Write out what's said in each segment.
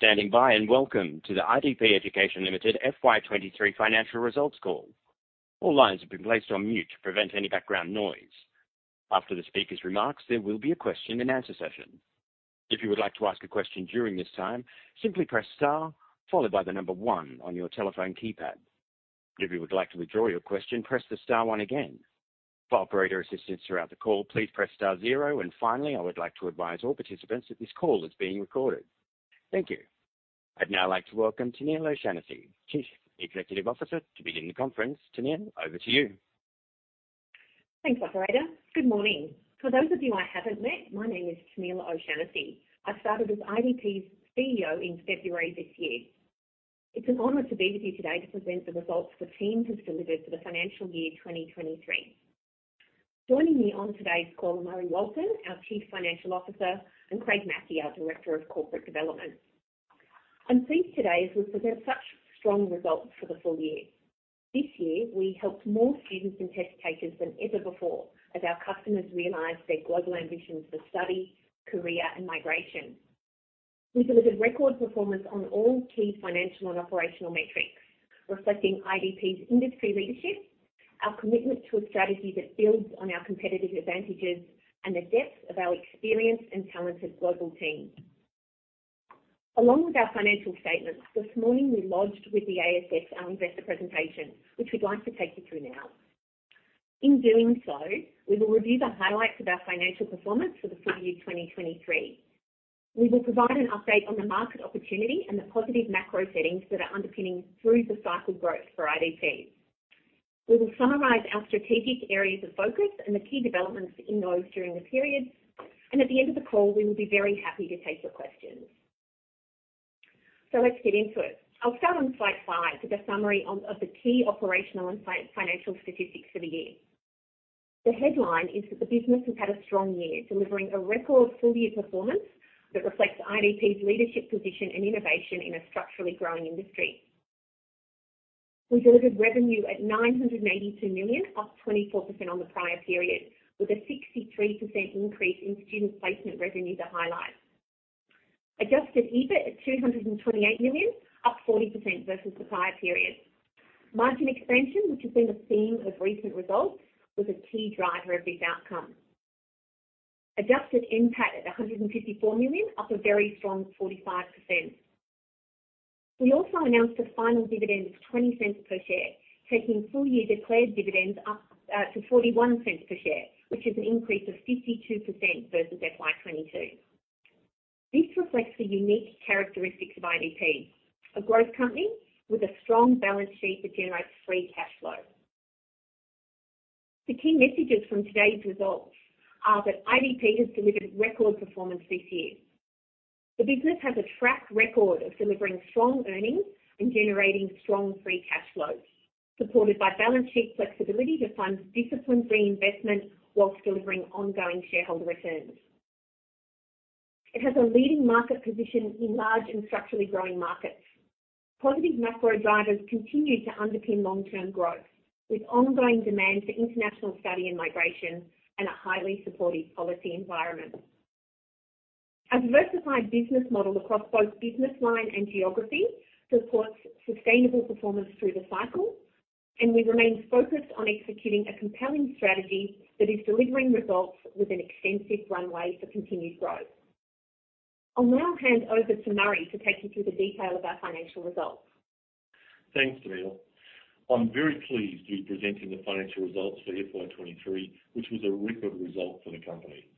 Thank you for standing by, and welcome to the IDP Education Limited FY 2023 financial results call. All lines have been placed on mute to prevent any background noise. After the speaker's remarks, there will be a question-and-answer session. If you would like to ask a question during this time, simply press star followed by the number one on your telephone keypad. If you would like to withdraw your question, press the star one again. For operator assistance throughout the call, please press star zero, and finally, I would like to advise all participants that this call is being recorded. Thank you. I'd now like to welcome Tennealle O'Shannessy, Chief Executive Officer, to begin the conference. Tennealle, over to you. Thanks, Operator. Good morning. For those of you I haven't met, my name is Tennealle O'Shannessy. I started as IDP's CEO in February this year. It's an honor to be with you today to present the results the team has delivered for the financial year 2023. Joining me on today's call are Murray Walton, our Chief Financial Officer, and Craig Mackey, our Director of Corporate Development. I'm pleased today as we present such strong results for the full year. This year we helped more students and test takers than ever before, as our customers realized their global ambitions for study, career, and migration. We delivered record performance on all key financial and operational metrics, reflecting IDP's industry leadership, our commitment to a strategy that builds on our competitive advantages, and the depth of our experienced and talented global team. Along with our financial statements, this morning, we lodged with the ASX our investor presentation, which we'd like to take you through now. In doing so, we will review the highlights of our financial performance for the full year 2023. We will provide an update on the market opportunity and the positive macro settings that are underpinning through the cycle growth for IDP. We will summarize our strategic areas of focus and the key developments in those during the period, and at the end of the call, we will be very happy to take your questions. Let's get into it. I'll start on slide five with a summary of the key operational and financial statistics for the year. The headline is that the business has had a strong year, delivering a record full-year performance that reflects IDP's leadership, position, and innovation in a structurally growing industry. We delivered revenue at 982 million, up 24% on the prior period, with a 63% increase in student placement revenue to highlight. Adjusted EBIT at 228 million, up 40% versus the prior period. Margin expansion, which has been a theme of recent results, was a key driver of this outcome. Adjusted NPAT at 154 million, up a very strong 45%. We also announced a final dividend of 0.20 per share, taking full-year declared dividends up to 0.41 per share, which is an increase of 52% versus FY 2022. This reflects the unique characteristics of IDP, a growth company with a strong balance sheet that generates free cash flow. The key messages from today's results are that IDP has delivered record performance this year. The business has a track record of delivering strong earnings and generating strong free cash flows, supported by balance sheet flexibility to fund disciplined reinvestment whilst delivering ongoing shareholder returns. It has a leading market position in large and structurally growing markets. Positive macro drivers continue to underpin long-term growth, with ongoing demand for international study and migration and a highly supportive policy environment. A diversified business model across both business line and geography supports sustainable performance through the cycle. We remain focused on executing a compelling strategy that is delivering results with an extensive runway for continued growth. I'll now hand over to Murray to take you through the detail of our financial results. Thanks, Tennealle. I'm very pleased to be presenting the financial results for FY 2023, which was a record result for the company.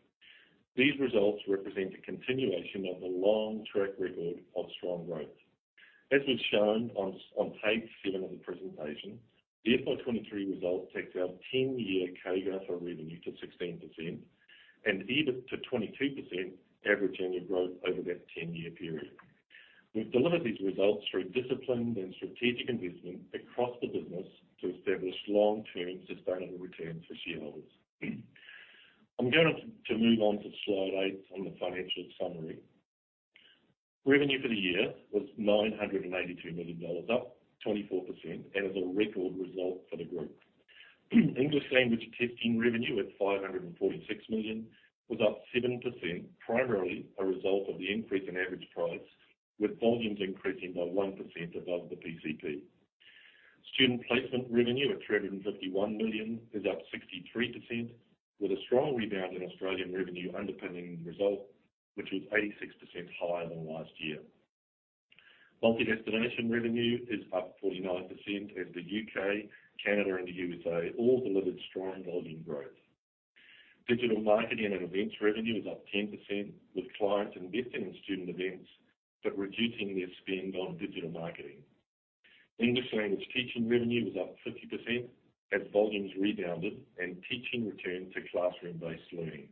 These results represent a continuation of a long track record of strong growth. As is shown on page seven of the presentation, the FY 2023 results takes our 10-year CAGR for revenue to 16% and EBIT to 22%, average annual growth over that 10-year period. We've delivered these results through disciplined and strategic investment across the business to establish long-term sustainable returns for shareholders. I'm going to move on to slide eight on the financial summary. Revenue for the year was 982 million dollars, up 24%, and is a record result for the group. English language testing revenue, at 546 million, was up 7%, primarily a result of the increase in average price, with volumes increasing by 1% above the PCP. Student placement revenue, at 351 million, is up 63%, with a strong rebound in Australian revenue underpinning the result, which was 86% higher than last year. Multi-destination revenue is up 49%, as the U.K., Canada, and the U.S.A. all delivered strong volume growth. Digital marketing and events revenue is up 10%, with clients investing in student events but reducing their spend on digital marketing. English language teaching revenue was up 50% as volumes rebounded and teaching returned to classroom-based learning.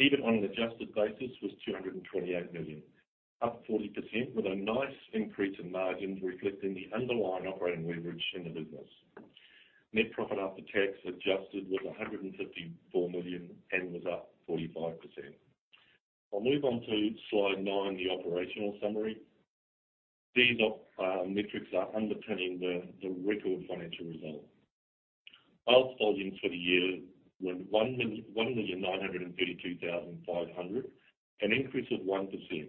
EBIT on an adjusted basis was 228 million, up 40%, with a nice increase in margins reflecting the underlying operating leverage in the business. Net Profit After Tax adjusted was 154 million and was up 45%. I'll move on to slide nine, the operational summary. These op metrics are underpinning the record financial result. IELTS volumes for the year were 1,932,500, an increase of 1%,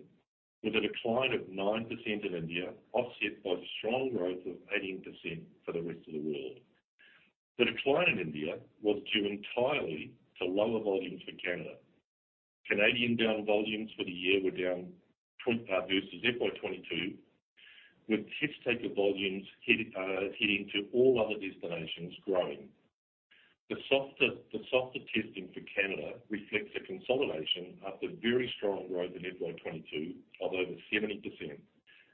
with a decline of 9% in India, offset by strong growth of 18% for the rest of the world. The decline in India was due entirely to lower volumes for Canada. Canadian-bound volumes for the year were down versus FY 2022, with test taker volumes heading to all other destinations growing. The softer testing for Canada reflects a consolidation after very strong growth in FY 2022 of over 70%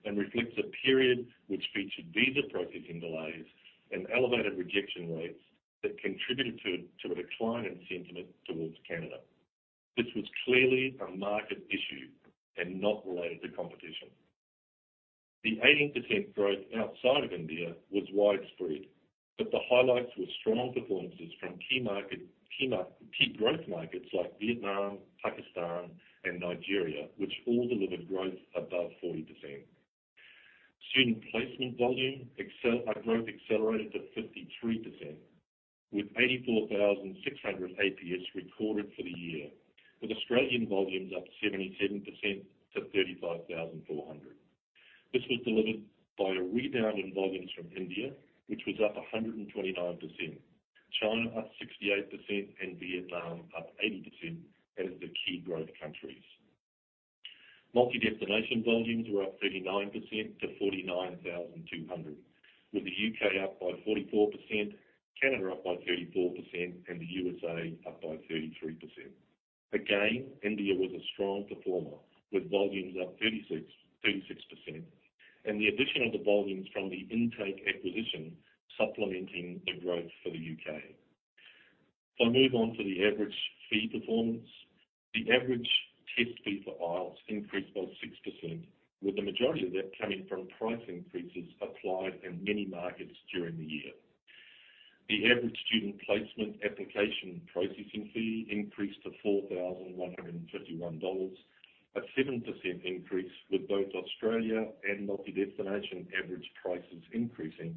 and reflects a period which featured visa processing delays and elevated rejection rates that contributed to a decline in sentiment towards Canada. This was clearly a market issue and not related to competition. The 18% growth outside of India was widespread. The highlights were strong performances from key growth markets like Vietnam, Pakistan, and Nigeria, which all delivered growth above 40%. Student placement volume growth accelerated to 53%, with 84,600 [APS] recorded for the year, with Australian volumes up 77% to 35,400. This was delivered by a rebound in volumes from India, which was up 129%, China up 68%, and Vietnam up 80% as the key growth countries. Multi-destination volumes were up 39% to 49,200, with the U.K. up by 44%, Canada up by 34%, and the U.S.A. up by 33%. Again, India was a strong performer, with volumes up 36%, and the addition of the volumes from the Intake acquisition supplementing the growth for the U.K. If I move on to the average fee performance. The average test fee for IELTS increased by 6%, with the majority of that coming from price increases applied in many markets during the year. The average student placement application processing fee increased to 4,151 dollars, a 7% increase, with both Australia and multi-destination average prices increasing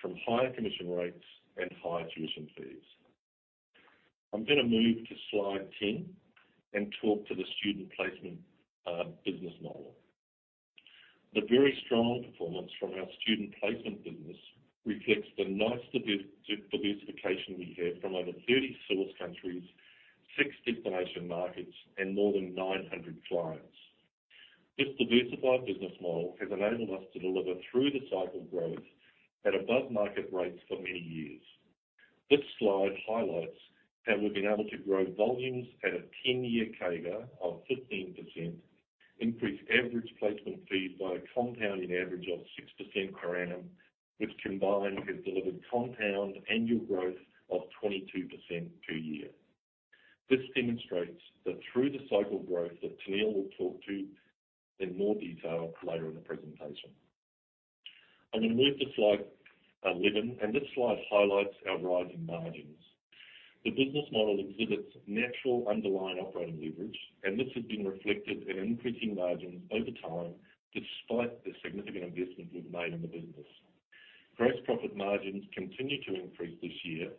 from higher commission rates and higher tuition fees. I'm going to move to slide 10 and talk to the student placement business model. The very strong performance from our student placement business reflects the nice diversification we have from over 30 source countries, six destination markets, and more than 900 clients. This diversified business model has enabled us to deliver through the cycle growth at above market rates for many years. This slide highlights how we've been able to grow volumes at a 10-year CAGR of 15%, increase average placement fees by a compounding average of 6% per annum, which combined, has delivered compound annual growth of 22% per year. This demonstrates the through-the-cycle growth that Tennealle will talk to in more detail later in the presentation. I'm going to move to slide 11. This slide highlights our rising margins. The business model exhibits natural underlying operating leverage. This has been reflected in increasing margins over time, despite the significant investment we've made in the business. Gross profit margins continued to increase this year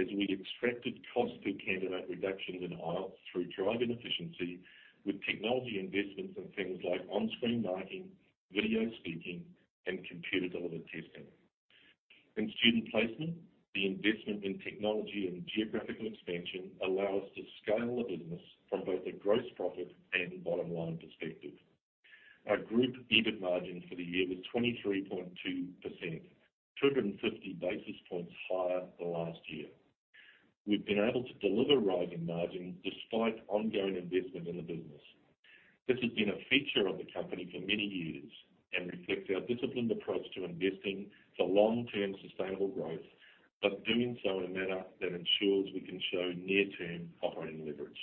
as we extracted cost per candidate reductions in IELTS through driving efficiency with technology investments in things like on-screen marking, video speaking, and computer-delivered testing. In student placement, the investment in technology and geographical expansion allow us to scale the business from both a gross profit and bottom-line perspective. Our group EBIT margin for the year was 23.2%, 250 basis points higher than last year. We've been able to deliver rising margins despite ongoing investment in the business. This has been a feature of the company for many years and reflects our disciplined approach to investing for long-term sustainable growth. Doing so in a manner that ensures we can show near-term operating leverage.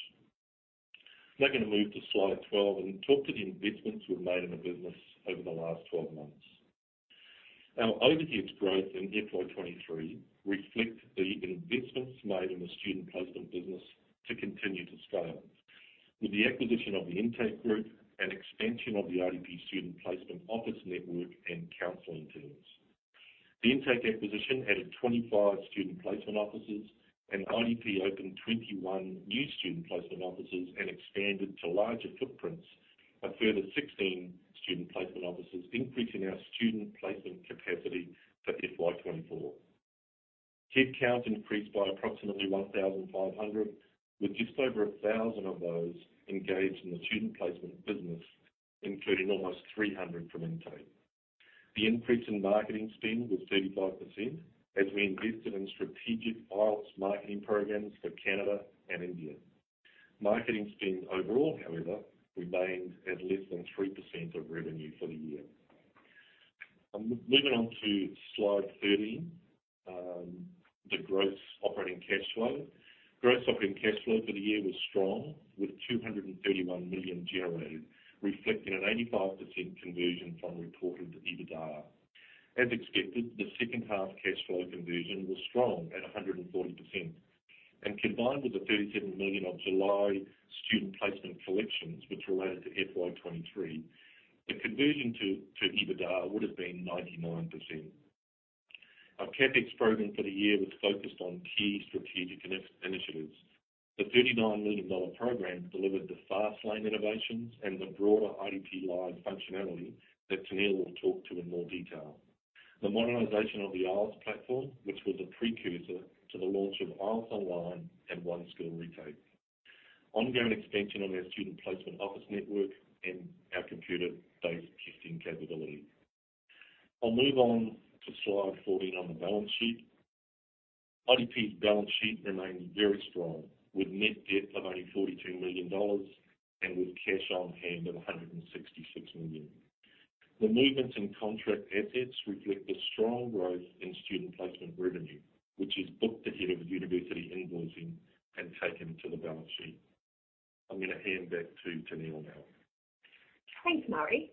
Now I'm going to move to slide 12 and talk to the investments we've made in the business over the last 12 months. Our overheads growth in FY 2023 reflect the investments made in the student placement business to continue to scale, with the acquisition of the Intake Education and expansion of the IDP student placement office network and counseling teams. The Intake acquisition added 25 student placement offices, and IDP opened 21 new student placement offices and expanded to larger footprints, a further 16 student placement offices, increasing our student placement capacity for FY 2024. Headcount increased by approximately 1,500, with just over 1,000 of those engaged in the student placement business, including almost 300 from Intake. The increase in marketing spend was 35%, as we invested in strategic IELTS marketing programs for Canada and India. Marketing spend overall, however, remained at less than 3% of revenue for the year. I'm moving on to slide 13, the gross operating cash flow. Gross operating cash flow for the year was strong, with 231 million generated, reflecting an 85% conversion from reported EBITDA. As expected, the second half cash flow conversion was strong at 140%. Combined with the 37 million of July student placement collections, which related to FY 2023, the conversion to EBITDA would have been 99%. Our CapEx program for the year was focused on key strategic initiatives. The 39 million dollar program delivered the FastLane innovations and the broader IDP Live functionality that Tennealle will talk to in more detail. The modernization of the IELTS platform, which was a precursor to the launch of IELTS Online and One Skill Retake, ongoing expansion of our student placement office network, and our computer-based testing capability. I'll move on to slide 14 on the balance sheet. IDP's balance sheet remains very strong, with net debt of only 42 million dollars and with cash on hand of 166 million. The movements in contract assets reflect the strong growth in student placement revenue, which is booked ahead of university invoicing and taken to the balance sheet. I'm going to hand back to Tennealle now. Thanks, Murray.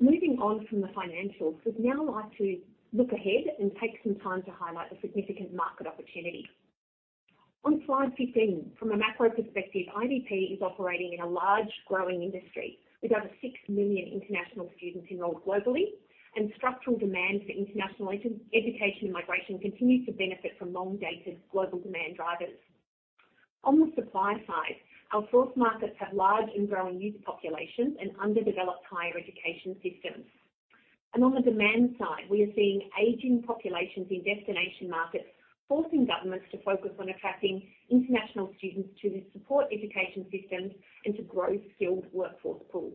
Moving on from the financials, we'd now like to look ahead and take some time to highlight the significant market opportunity. On slide 15, from a macro perspective, IDP is operating in a large, growing industry, with over 6 million international students enrolled globally, and structural demand for international education and migration continues to benefit from long-dated global demand drivers. On the supply side, our source markets have large and growing youth populations and underdeveloped higher education systems. On the demand side, we are seeing aging populations in destination markets, forcing governments to focus on attracting international students to support education systems and to grow skilled workforce pools.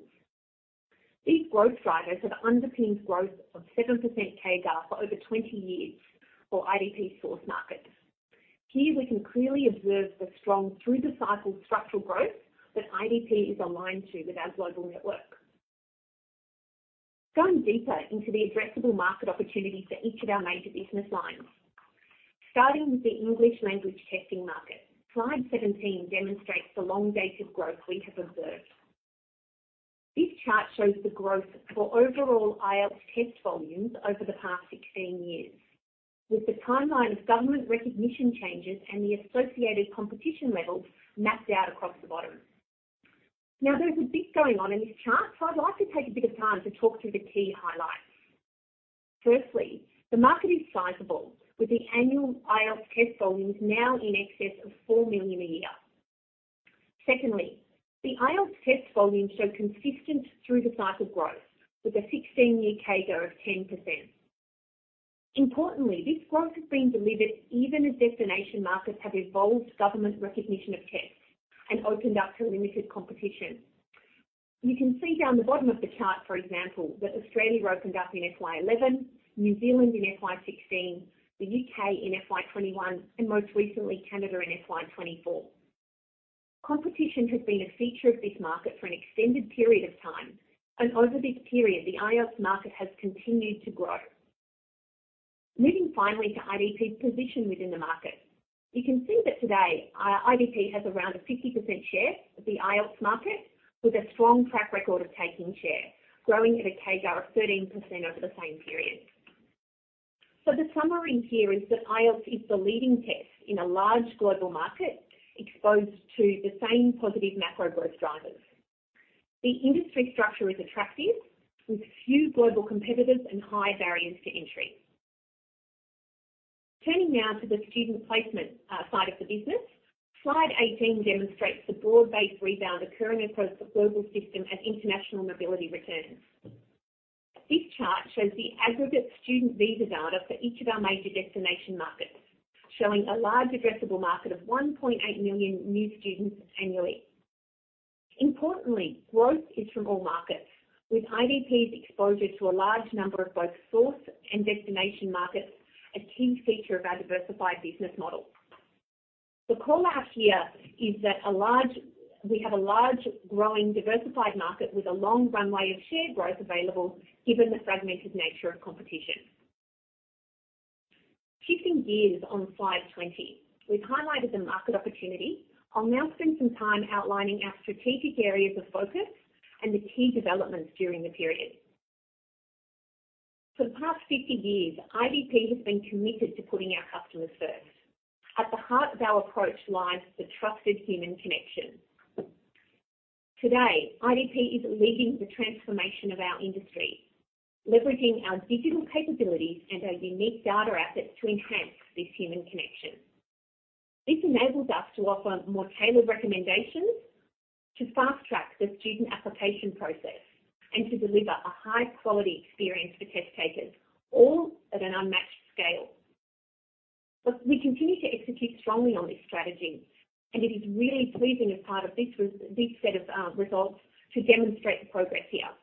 These growth drivers have underpinned growth of 7% CAGR for over 20 years for IDP source markets. Here we can clearly observe the strong through-the-cycle structural growth that IDP is aligned to with our global network. Going deeper into the addressable market opportunity for each of our major business lines. Starting with the English language testing market, slide 17 demonstrates the long-dated growth we have observed. This chart shows the growth for overall IELTS test volumes over the past 16 years, with the timeline of government recognition changes and the associated competition levels mapped out across the bottom. There's a bit going on in this chart, so I'd like to take a bit of time to talk through the key highlights. Firstly, the market is sizable, with the annual IELTS test volumes now in excess of 4 million a year. Secondly, the IELTS test volumes show consistent through-the-cycle growth, with a 16-year CAGR of 10%. Importantly, this growth has been delivered even as destination markets have evolved government recognition of tests and opened up to limited competition. You can see down the bottom of the chart, for example, that Australia opened up in FY 2011, New Zealand in FY16, the U.K. in FY 2021, and most recently, Canada in FY 2024. Competition has been a feature of this market for an extended period of time. Over this period, the IELTS market has continued to grow. Moving finally to IDP's position within the market. You can see that today, IDP has around a 50% share of the IELTS market, with a strong track record of taking share, growing at a CAGR of 13% over the same period. The summary here is that IELTS is the leading test in a large global market exposed to the same positive macro growth drivers. The industry structure is attractive, with few global competitors and high barriers to entry. Turning now to the student placement side of the business. Slide 18 demonstrates the broad-based rebound occurring across the global system as international mobility returns. This chart shows the aggregate student visa data for each of our major destination markets, showing a large addressable market of 1.8 million new students annually. Importantly, growth is from all markets, with IDP's exposure to a large number of both source and destination markets, a key feature of our diversified business model. The call-out here is that we have a large, growing, diversified market with a long runway of shared growth available, given the fragmented nature of competition. Shifting gears on slide 20, we've highlighted the market opportunity. I'll now spend some time outlining our strategic areas of focus and the key developments during the period. For the past 50 years, IDP has been committed to putting our customers first. At the heart of our approach lies the trusted human connection. Today, IDP is leading the transformation of our industry, leveraging our digital capabilities and our unique data assets to enhance this human connection. This enables us to offer more tailored recommendations, to fast-track the student application process, and to deliver a high-quality experience for test takers, all at an unmatched scale. Look, we continue to execute strongly on this strategy, and it is really pleasing as part of this set of results to demonstrate the progress here.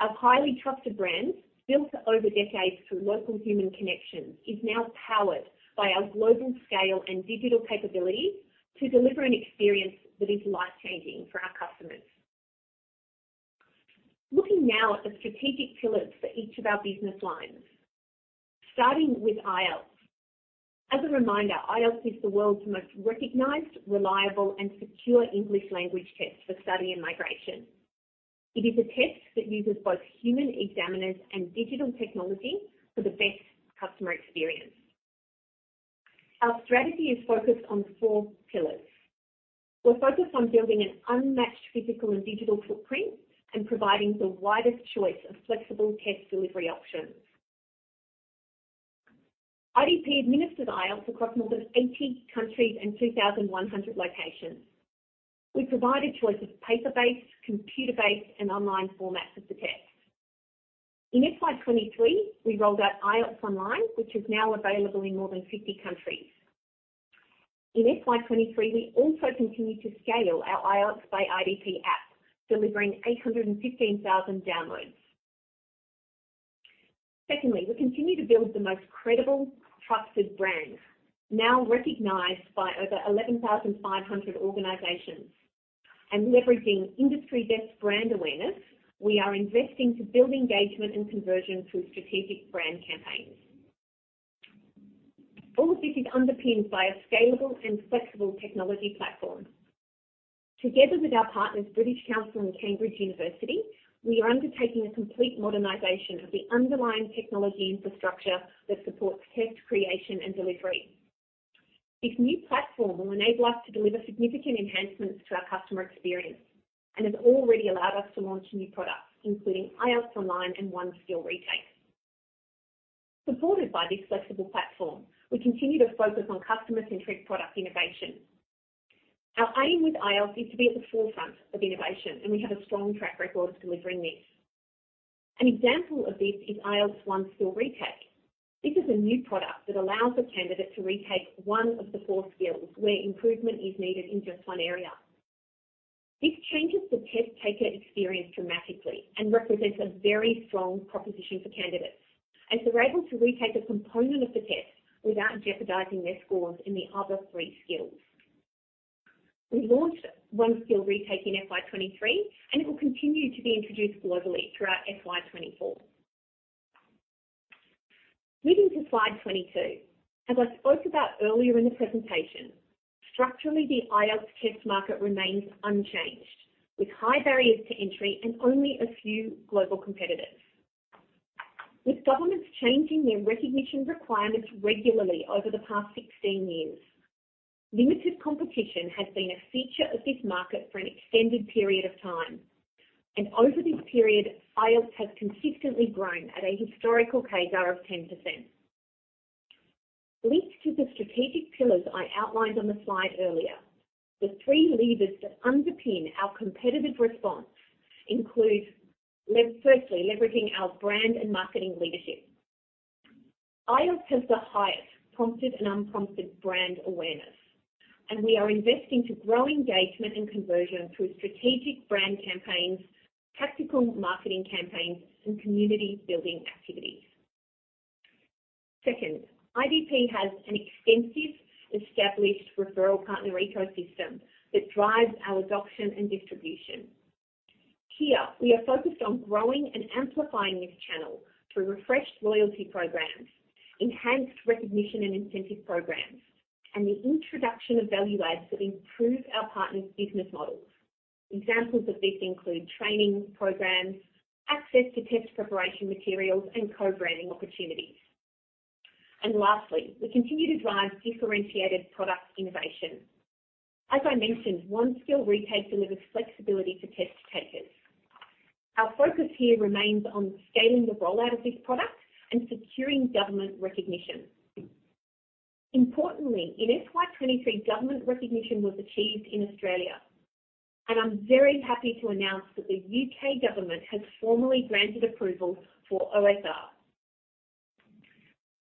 Our highly trusted brand, built over decades through local human connections, is now powered by our global scale and digital capabilities to deliver an experience that is life-changing for our customers. Looking now at the strategic pillars for each of our business lines, starting with IELTS. As a reminder, IELTS is the world's most recognized, reliable, and secure English language test for study and migration. It is a test that uses both human examiners and digital technology for the best customer experience. Our strategy is focused on four pillars. We're focused on building an unmatched physical and digital footprint and providing the widest choice of flexible test delivery options. IDP administers IELTS across more than 80 countries and 2,100 locations. We provide a choice of paper-based, computer-based, and online formats of the test. In FY 2023, we rolled out IELTS Online, which is now available in more than 50 countries. In FY 2023, we also continued to scale our IELTS by IDP app, delivering 815,000 downloads. Secondly, we continue to build the most credible, trusted brand, now recognized by over 11,500 organizations. Leveraging industry-best brand awareness, we are investing to build engagement and conversion through strategic brand campaigns. All of this is underpinned by a scalable and flexible technology platform. Together with our partners, British Council and Cambridge University, we are undertaking a complete modernization of the underlying technology infrastructure that supports test creation and delivery. This new platform will enable us to deliver significant enhancements to our customer experience and has already allowed us to launch new products, including IELTS Online and One Skill Retake. Supported by this flexible platform, we continue to focus on customer-centric product innovation. Our aim with IELTS is to be at the forefront of innovation, and we have a strong track record of delivering this. An example of this is IELTS One Skill Retake. This is a new product that allows a candidate to retake one of the four skills, where improvement is needed in just one area. This changes the test taker experience dramatically and represents a very strong proposition for candidates, as they're able to retake a component of the test without jeopardizing their scores in the other three skills. We launched One Skill Retake in FY 2023. It will continue to be introduced globally throughout FY 2024. Moving to slide 22. As I spoke about earlier in the presentation, structurally, the IELTS test market remains unchanged, with high barriers to entry and only a few global competitors. With governments changing their recognition requirements regularly over the past 16 years, limited competition has been a feature of this market for an extended period of time. Over this period, IELTS has consistently grown at a historical CAGR of 10%. Linked to the strategic pillars I outlined on the slide earlier, the three levers that underpin our competitive response include, firstly, leveraging our brand and marketing leadership. IELTS has the highest prompted and unprompted brand awareness, and we are investing to grow engagement and conversion through strategic brand campaigns, tactical marketing campaigns, and community-building activities. Second, IDP has an extensive established referral partner ecosystem that drives our adoption and distribution. Here, we are focused on growing and amplifying this channel through refreshed loyalty programs, enhanced recognition and incentive programs, and the introduction of value adds that improve our partners' business models. Examples of this include training programs, access to test preparation materials, and co-branding opportunities. Lastly, we continue to drive differentiated product innovation. As I mentioned, One Skill Retake delivers flexibility to test takers. Our focus here remains on scaling the rollout of this product and securing government recognition. Importantly, in FY 2023, government recognition was achieved in Australia, and I'm very happy to announce that the U.K. government has formally granted approval for OSR.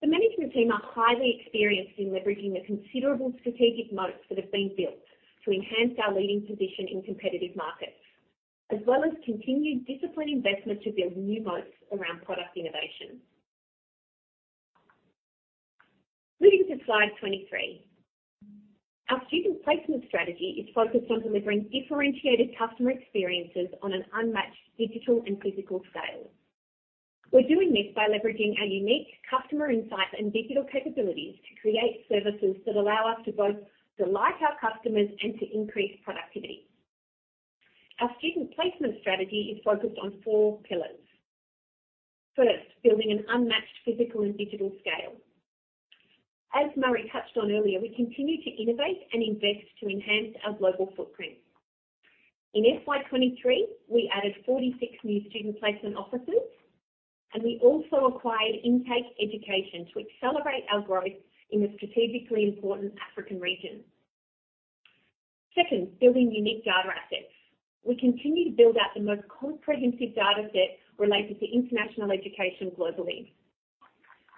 The management team are highly experienced in leveraging the considerable strategic moats that have been built to enhance our leading position in competitive markets, as well as continued disciplined investment to build new moats around product innovation. Moving to slide 23. Our student placement strategy is focused on delivering differentiated customer experiences on an unmatched digital and physical scale. We're doing this by leveraging our unique customer insights and digital capabilities to create services that allow us to both delight our customers and to increase productivity. Our student placement strategy is focused on four pillars. First, building an unmatched physical and digital scale. As Murray touched on earlier, we continue to innovate and invest to enhance our global footprint. In FY 2023, we added 46 new student placement offices. We also acquired Intake Education to accelerate our growth in the strategically important African region. Second, building unique data assets. We continue to build out the most comprehensive dataset related to international education globally.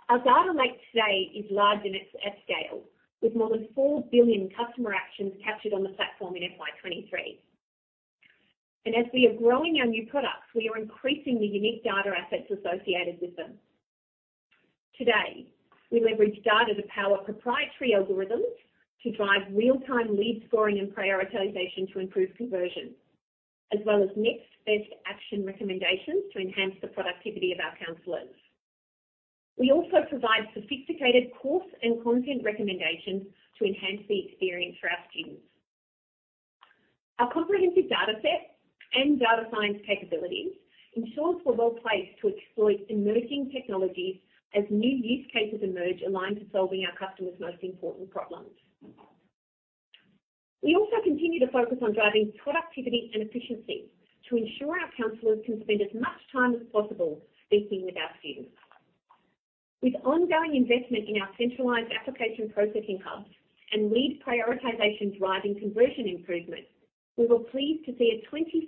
Our data lake today is large in its scale, with more than 4 billion customer actions captured on the platform in FY 2023. As we are growing our new products, we are increasing the unique data assets associated with them. Today, we leverage data to power proprietary algorithms to drive real-time lead scoring and prioritization to improve conversion, as well as next best action recommendations to enhance the productivity of our counselors. We also provide sophisticated course and content recommendations to enhance the experience for our students. Our comprehensive data set and data science capabilities ensures we're well-placed to exploit emerging technologies as new use cases emerge aligned to solving our customers' most important problems. We also continue to focus on driving productivity and efficiency to ensure our counselors can spend as much time as possible speaking with our students. With ongoing investment in our centralized application processing hubs and lead prioritization driving conversion improvement, we were pleased to see a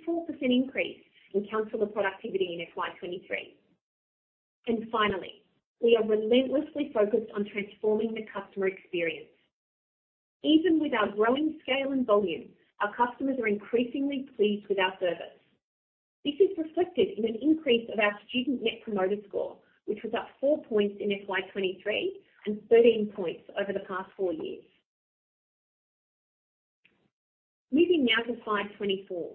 24% increase in counselor productivity in FY 2023. Finally, we are relentlessly focused on transforming the customer experience. Even with our growing scale and volume, our customers are increasingly pleased with our service. This is reflected in an increase of our student Net Promoter Score, which was up 4 points in FY 2023 and 13 points over the past 4 years. Moving now to slide 24.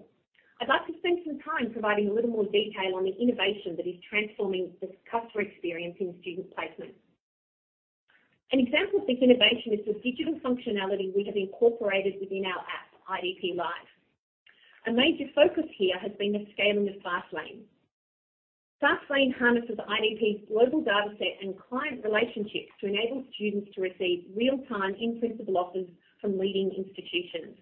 I'd like to spend some time providing a little more detail on the innovation that is transforming the customer experience in student placement. An example of this innovation is the digital functionality we have incorporated within our app, IDP Live. A major focus here has been the scaling of FastLane. FastLane harnesses IDP's global dataset and client relationships to enable students to receive real-time in-principle offers from leading institutions.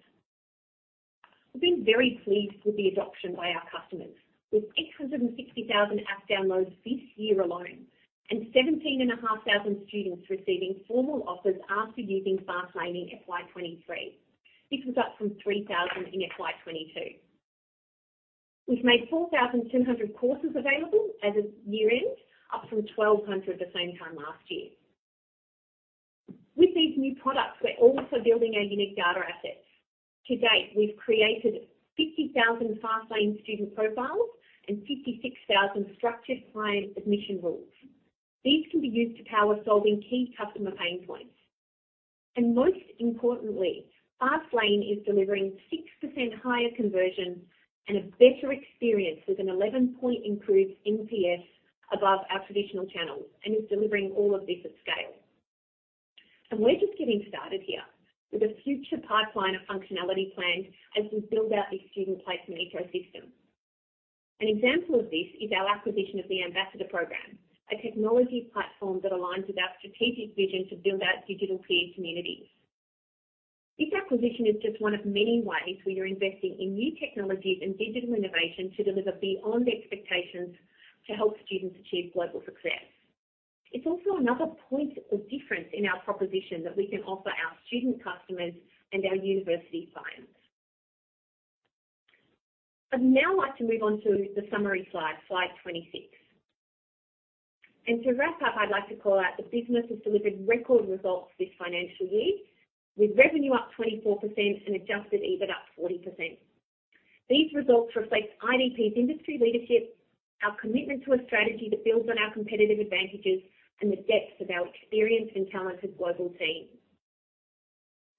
We've been very pleased with the adoption by our customers, with 860,000 app downloads this year alone, and 17,500 students receiving formal offers after using FastLane in FY 2023. This was up from 3,000 in FY 2022. We've made 4,200 courses available as of year-end, up from 1,200 the same time last year. With these new products, we're also building our unique data assets. To date, we've created 50,000 FastLane student profiles and 56,000 structured client admission rules. These can be used to power solving key customer pain points. Most importantly, FastLane is delivering 6% higher conversion and a better experience, with an 11-point improved NPS above our traditional channels, and is delivering all of this at scale. We're just getting started here with a future pipeline of functionality planned as we build out this student placement ecosystem. An example of this is our acquisition of the Ambassador program, a technology platform that aligns with our strategic vision to build out digital peer communities. This acquisition is just one of many ways we are investing in new technologies and digital innovation to deliver beyond expectations to help students achieve global success. It's also another point of difference in our proposition that we can offer our student customers and our university clients. I'd now like to move on to the summary slide, slide 26. To wrap up, I'd like to call out the business has delivered record results this financial year, with revenue up 24% and adjusted EBIT up 40%. These results reflect IDP's industry leadership, our commitment to a strategy that builds on our competitive advantages, and the depth of our experienced and talented global team.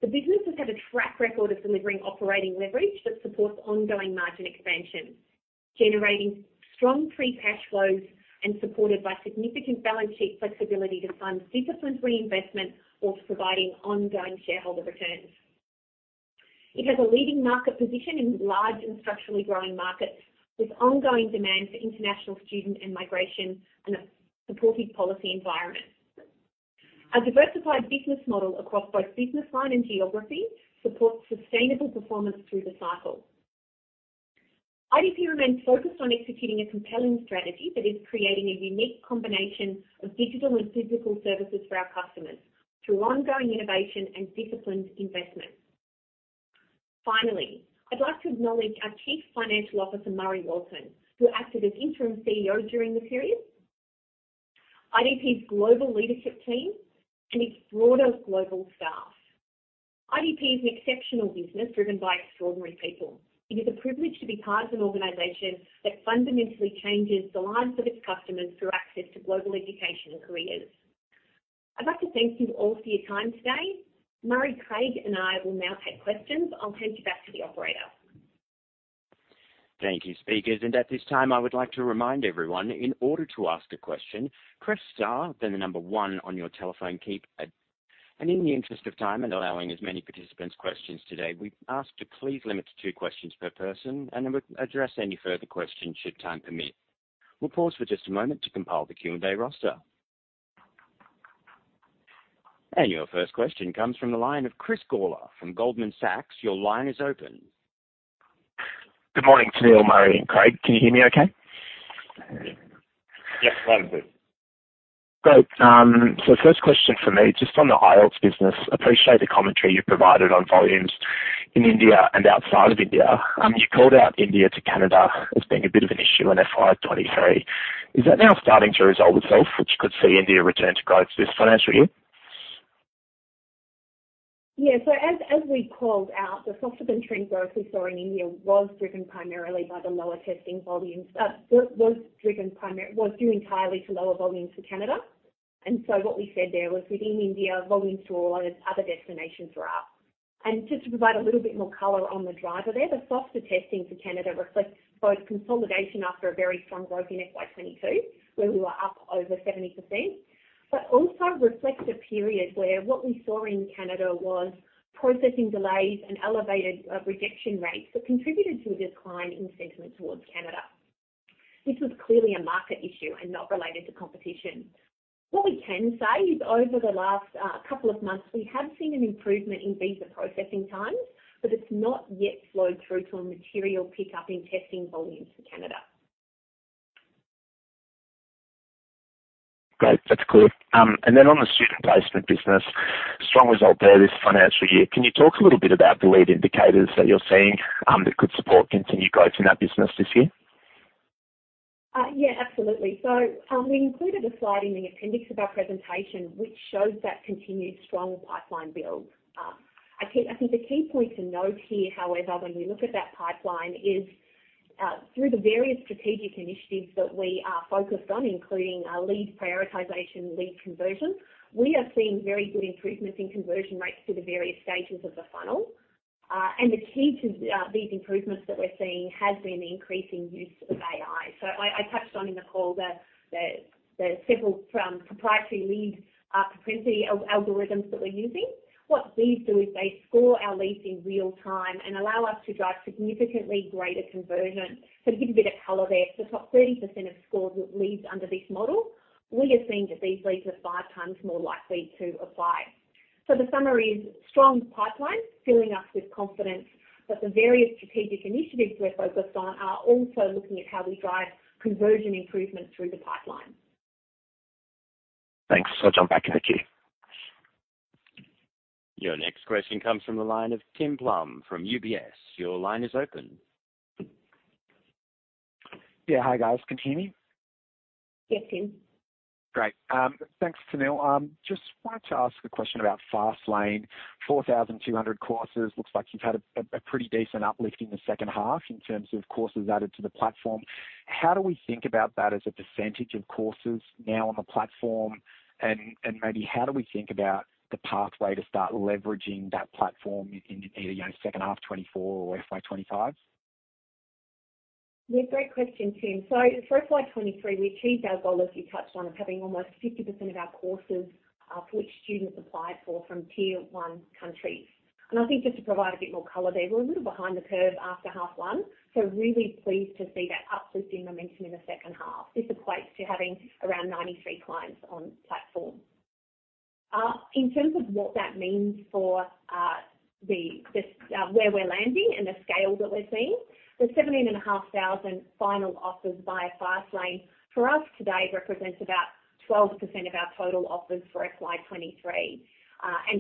The business has had a track record of delivering operating leverage that supports ongoing margin expansion, generating strong free cash flows and supported by significant balance sheet flexibility to fund disciplined reinvestment or providing ongoing shareholder returns. It has a leading market position in large and structurally growing markets, with ongoing demand for international student and migration, and a supportive policy environment. Our diversified business model across both business line and geography supports sustainable performance through the cycle. IDP remains focused on executing a compelling strategy that is creating a unique combination of digital and physical services for our customers through ongoing innovation and disciplined investment. Finally, I'd like to acknowledge our Chief Financial Officer, Murray Walton, who acted as Interim CEO during the period, IDP's global leadership team, and its broader global staff. IDP is an exceptional business driven by extraordinary people. It is a privilege to be part of an organization that fundamentally changes the lives of its customers through access to global education and careers. I'd like to thank you all for your time today. Murray, Craig, and I will now take questions. I'll turn you back to the operator. Thank you, speakers. At this time, I would like to remind everyone, in order to ask a question, press star, then the one on your telephone keypad. In the interest of time and allowing as many participants questions today, we ask to please limit to two questions per person, and we'll address any further questions should time permit. We'll pause for just a moment to compile the Q&A roster. Your first question comes from the line of Chris Gawler from Goldman Sachs. Your line is open. Good morning, Tennealle, Murray, and Craig. Can you hear me okay? Yes, loud and clear. Great. First question for me, just on the IELTS business. Appreciate the commentary you provided on volumes in India and outside of India. You called out India to Canada as being a bit of an issue in FY 2023. Is that now starting to resolve itself, which could see India return to growth this financial year? Yeah. As, as we called out, the softer-than-trend growth we saw in India was driven primarily by the lower testing volumes, was due entirely to lower volumes for Canada. What we said there was within India, volumes to a lot of other destinations were up. Just to provide a little bit more color on the driver there, the softer testing for Canada reflects both consolidation after a very strong growth in FY 2022, where we were up over 70%, but also reflects a period where what we saw in Canada was processing delays and elevated rejection rates that contributed to a decline in sentiment towards Canada. This was clearly a market issue and not related to competition. What we can say is over the last, couple of months, we have seen an improvement in visa processing times, but it's not yet flowed through to a material pickup in testing volumes for Canada. Great. That's clear. On the student placement business, strong result there this financial year. Can you talk a little bit about the lead indicators that you're seeing that could support continued growth in that business this year? Yeah, absolutely. We included a slide in the appendix of our presentation, which shows that continued strong pipeline build. I think, I think the key point to note here, however, when we look at that pipeline, is, through the various strategic initiatives that we are focused on, including, lead prioritization, lead conversion, we are seeing very good improvements in conversion rates through the various stages of the funnel. The key to these improvements that we're seeing has been the increasing use of AI. I, I touched on in the call that several from proprietary lead propensity algorithms that we're using. What these do is they score our leads in real time and allow us to drive significantly greater conversion. To give you a bit of color there, the top 30% of scores with leads under this model, we are seeing that these leads are 5x more likely to apply. The summary is strong pipeline, filling us with confidence that the various strategic initiatives we're focused on are also looking at how we drive conversion improvements through the pipeline. Thanks. I'll jump back in the queue. Your next question comes from the line of Tim Plumbe from UBS. Your line is open. Yeah. Hi, guys. Can you hear me? Yes, Tim. Great. Thanks, Tennealle. Just wanted to ask a question about FastLane. 4,200 courses. Looks like you've had a pretty decent uplift in the second half in terms of courses added to the platform. How do we think about that as a percentage of courses now on the platform? Maybe how do we think about the pathway to start leveraging that platform in, you know, second half 2024 or FY 2025? Yeah, great question, Tim. For FY 2023, we achieved our goal, as you touched on, of having almost 50% of our courses, for which students applied for from Tier 1 countries. I think just to provide a bit more color there, we're a little behind the curve after half one, really pleased to see that uplifting momentum in the second half. This equates to having around 93 clients on platform. In terms of what that means for the, just, where we're landing and the scale that we're seeing, the 17,500 final offers via FastLane for us today represents about 12% of our total offers for FY 2023.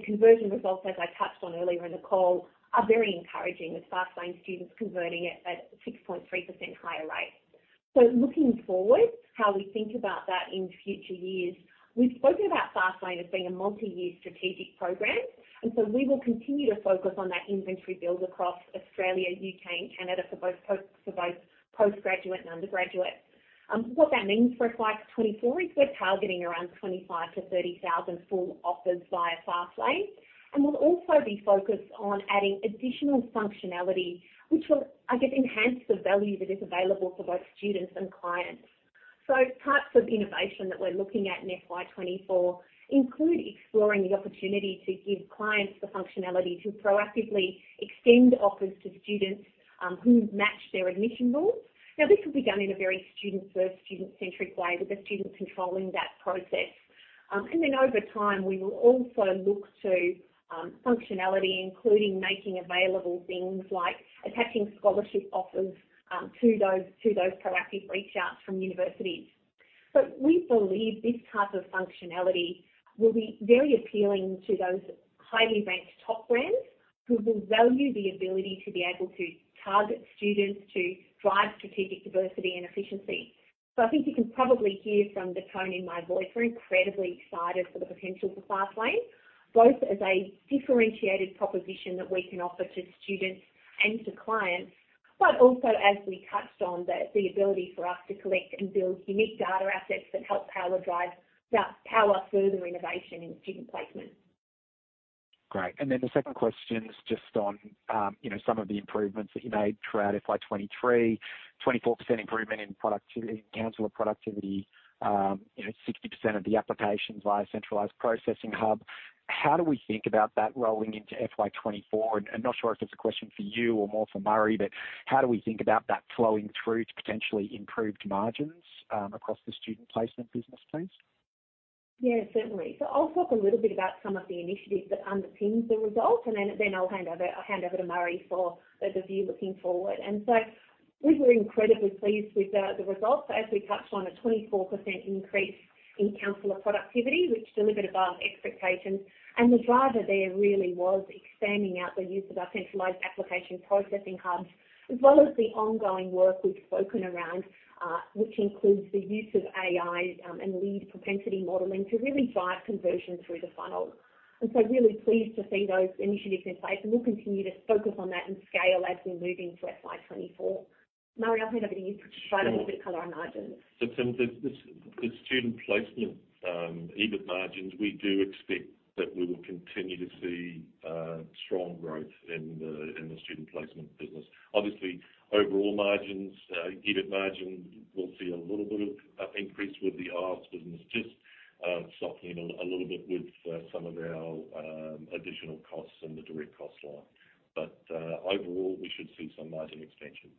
Conversion results, as I touched on earlier in the call, are very encouraging, with FastLane students converting at, at 6.3% higher rate. Looking forward, how we think about that in future years, we've spoken about FastLane as being a multi-year strategic program, and so we will continue to focus on that inventory build across Australia, U.K., and Canada for both postgraduate and undergraduate. What that means for FY 2024 is we're targeting around 25,000-30,000 full offers via FastLane, and we'll also be focused on adding additional functionality, which will, I guess, enhance the value that is available for both students and clients. Types of innovation that we're looking at in FY 2024 include exploring the opportunity to give clients the functionality to proactively extend offers to students, who match their admission rules. Now, this will be done in a very student-first, student-centric way, with the student controlling that process. Over time, we will also look to functionality, including making available things like attaching scholarship offers, to those, to those proactive reach outs from universities. We believe this type of functionality will be very appealing to those highly ranked top brands, who will value the ability to be able to target students to drive strategic diversity and efficiency. I think you can probably hear from the tone in my voice, we're incredibly excited for the potential for FastLane, both as a differentiated proposition that we can offer to students and to clients, but also, as we touched on, the, the ability for us to collect and build unique data assets that help power further innovation in student placement. Great. The second question is just on, you know, some of the improvements that you made throughout FY 2023, 24% improvement in productivity, counselor productivity, you know, 60% of the applications via centralized processing hub. How do we think about that rolling into FY 2024? I'm not sure if it's a question for you or more for Murray, but how do we think about that flowing through to potentially improved margins across the student placement business, please? Yeah, certainly. I'll talk a little bit about some of the initiatives that underpin the result, and then, then I'll hand over, I'll hand over to Murray for the view looking forward. We were incredibly pleased with the, the results. As we touched on, a 24% increase in counselor productivity, which delivered above expectations. The driver there really was expanding out the use of our centralized application processing hubs, as well as the ongoing work we've spoken around, which includes the use of AI, and lead propensity modeling to really drive conversion through the funnel. Really pleased to see those initiatives in place, and we'll continue to focus on that and scale as we move into FY 2024. Murray, I'll hand over to you to provide a little bit of color on margins. The student placement EBIT margins, we do expect that we will continue to see strong growth in the student placement business. Obviously, overall margins, EBIT margin, we'll see a little bit of increase with the IELTS business, just softening a little bit with some of our additional costs in the direct cost line. Overall, we should see some margin extension.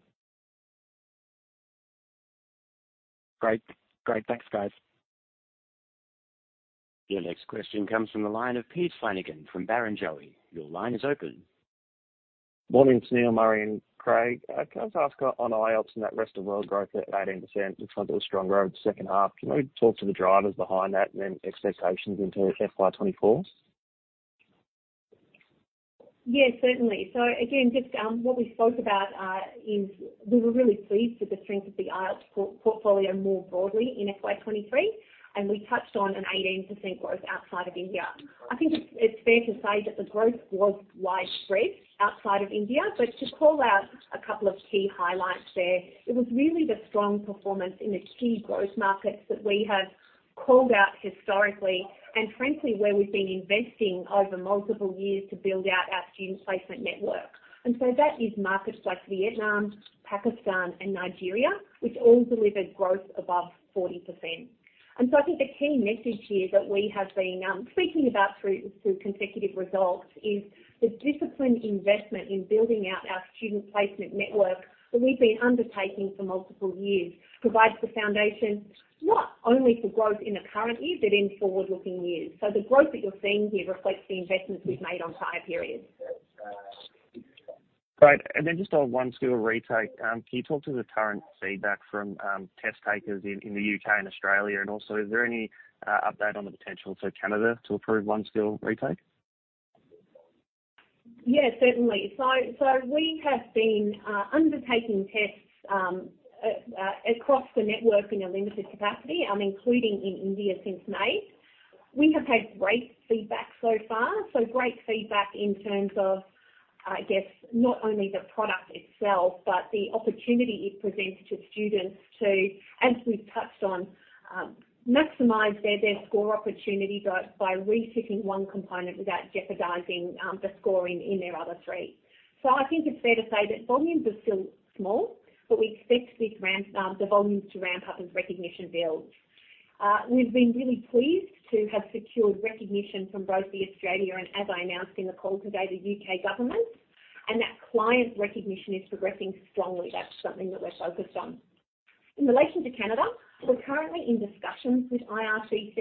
Great. Great. Thanks, guys. Your next question comes from the line of Pete Flanagan from Barrenjoey. Your line is open. Morning, Tennealle, Murray, and Craig. Can I just ask on IELTS and that rest of world growth at 18% in front of a strong growth second half, can you talk to the drivers behind that and then expectations into FY 2024? Yeah, certainly. Again, just what we spoke about, is we were really pleased with the strength of the IELTS portfolio more broadly in FY 2023, and we touched on an 18% growth outside of India. I think it's, it's fair to say that the growth was widespread outside of India, but to call out a couple of key highlights there, it was really the strong performance in the key growth markets that we have called out historically, and frankly, where we've been investing over multiple years to build out our student placement network. That is markets like Vietnam, Pakistan, and Nigeria, which all delivered growth above 40%. I think the key message here that we have been speaking about through, through consecutive results is the disciplined investment in building out our student placement network that we've been undertaking for multiple years, provides the foundation not only for growth in the current year, but in forward-looking years. The growth that you're seeing here reflects the investments we've made on prior periods. Great. Just on One Skill Retake, can you talk to the current feedback from test takers in, in the U.K. and Australia? Also, is there any update on the potential for Canada to approve One Skill Retake? Yeah, certainly. We have been undertaking tests across the network in a limited capacity, including in India since May. We have had great feedback so far. Great feedback in terms of, I guess, not only the product itself, but the opportunity it presents to students to, as we've touched on, maximize their, their score opportunity by, by retaking one component without jeopardizing the scoring in their other three. I think it's fair to say that volumes are still small, but we expect this ramp the volumes to ramp up as recognition builds. We've been really pleased to have secured recognition from both the Australia and, as I announced in the call today, the U.K. government, and that client recognition is progressing strongly. That's something that we're focused on. In relation to Canada, we're currently in discussions with IRCC,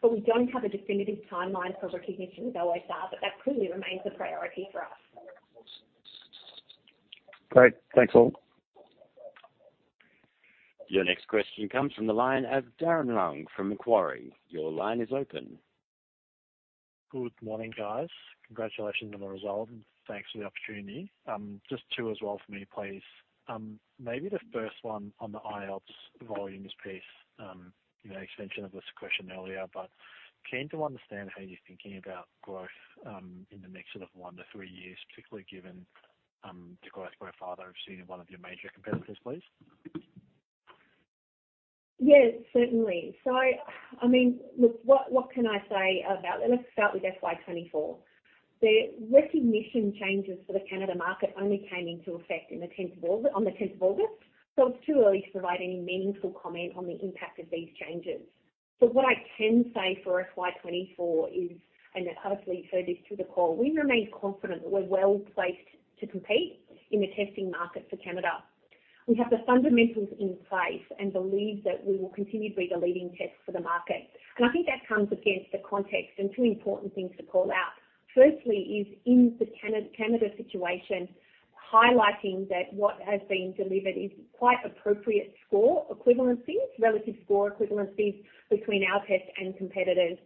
but we don't have a definitive timeline for recognition as always are, but that clearly remains a priority for us. Great. Thanks, all. Your next question comes from the line of Darren Leung from Macquarie. Your line is open. Good morning, guys. Congratulations on the result, and thanks for the opportunity. Just two as well from me, please. Maybe the first one on the IELTS volumes piece, you know, extension of this question earlier, but keen to understand how you're thinking about growth in the next sort of one to three years, particularly given the growth by far that I've seen in one of your major competitors, please. Yes, certainly. I mean, look, what can I say about, let's start with FY 2024. The recognition changes for the Canada market only came into effect on the 10th of August. It's too early to provide any meaningful comment on the impact of these changes. What I can say for FY 2024 is, and hopefully you've heard this through the call, we remain confident that we're well placed to compete in the testing market for Canada. We have the fundamentals in place and believe that we will continue to be the leading test for the market. I think that comes against the context and two important things to call out. Firstly, is in the Canada situation, highlighting that what has been delivered is quite appropriate score equivalencies, relative score equivalencies between our test and competitors.